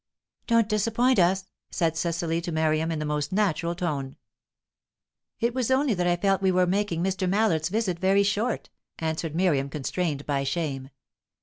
"Don't disappoint us," said Cecily to Miriam, in the most natural tone. "It was only that I felt we were making Mr. Mallard's visit very short," answered Miriam, constrained by shame.